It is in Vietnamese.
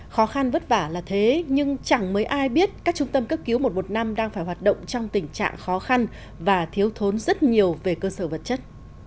khó khăn vất vả là thế nhưng chẳng mấy ai biết các trung tâm cấp cứu một trăm một mươi năm đang phải hoạt động trong tình trạng khó khăn và thiếu thốn rất nhiều về cơ sở vật chất